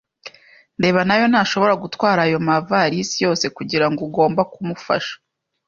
ndeba nayo ntashobora gutwara ayo mavalisi yose kugirango ugomba kumufasha.